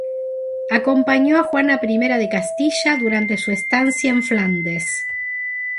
Acompañó a Juana I de Castilla durante su estancia en Flandes.